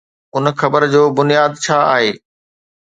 ان خبر جو بنياد ڇا آهي؟